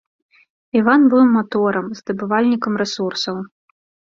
Іван быў маторам, здабывальнікам рэсурсаў.